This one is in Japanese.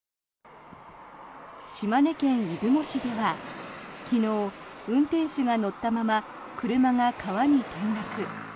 島根県出雲市では昨日、運転手が乗ったまま車が川に転落。